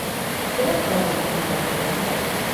Zelan joan zaizu filmaketan?